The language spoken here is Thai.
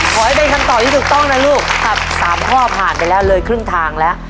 ขอให้เป็นคำตอบที่ถูกต้องนะลูกครับ๓ข้อผ่านไปแล้วเลยครึ่งทางแล้ว